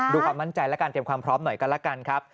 ความมั่นใจและการเตรียมความพร้อมหน่อยกันแล้วกันครับ